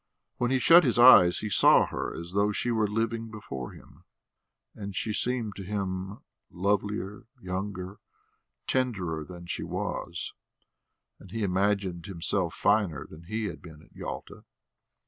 When he shut his eyes he saw her as though she were living before him, and she seemed to him lovelier, younger, tenderer than she was; and he imagined himself finer than he had been in Yalta.